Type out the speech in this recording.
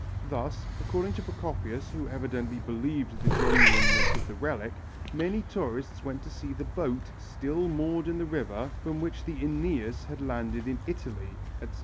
Thus, according to Procopius, who evidently believed the genuineness of the relic, many tourists went to see the boat, still moored in the river, from which Æneas had landed in Italy, etc.